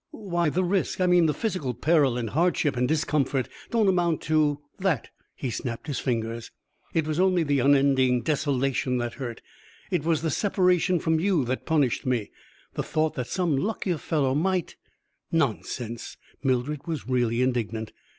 Why, the risk, I mean the physical peril and hardship and discomfort, don't amount to that." He snapped his fingers. "It was only the unending desolation that hurt; it was the separation from you that punished me the thought that some luckier fellow might " "Nonsense!" Mildred was really indignant.